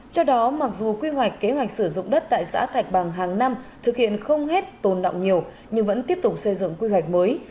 do đó mặc dù quy hoạch kế hoạch sử dụng đất tại xã thạch bằng hàng năm thực hiện không hết tồn động nhiều nhưng vẫn tiếp tục xây dựng quy hoạch mới